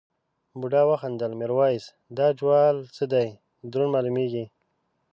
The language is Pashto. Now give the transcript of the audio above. بوډا وخندل میرويس دا جوال څه دی دروند مالومېږي.